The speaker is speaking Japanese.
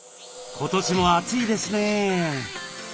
今年も暑いですね。